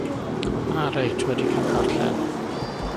Ah, reit, wedi camddarllen!